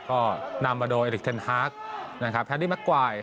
ก็นำมาโด่เอลิคเทนฮาร์กแฮดดี้มากกวาย